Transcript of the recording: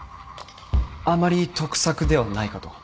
あまり得策ではないかと。